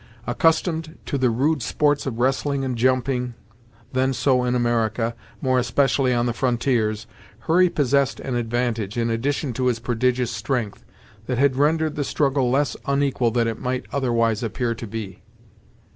Accustomed to the rude sports of wrestling and jumping, then so common in America, more especially on the frontiers, Hurry possessed an advantage, in addition to his prodigious strength, that had rendered the struggle less unequal than it might otherwise appear to be.